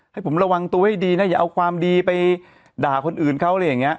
ให้ผมระวังตัวให้ดีนะอย่าเอาความดีไปด่าคนอื่นเขา